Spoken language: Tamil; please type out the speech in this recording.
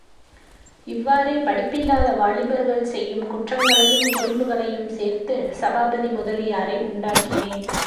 இவ்வாறே படிப்பில்லாத வாலிபர்கள் செய்யும் குற்றங்களையும் குறும்புகளையும் சேர்த்து சபாபதி முதலியாரை உண்டாக்கினேன்.